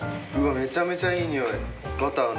めちゃめちゃいいにおいバターの！